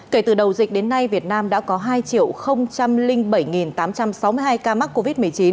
kể từ đầu dịch đến nay việt nam đã có hai bảy tám trăm sáu mươi hai ca mắc covid một mươi chín